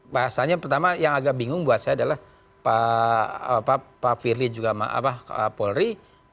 bahasanya pertama yang agak bingung buat saya adalah pak firly juga polri